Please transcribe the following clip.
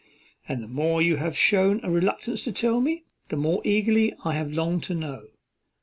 And the more you have shown a reluctance to tell me, the more eagerly I have longed to know.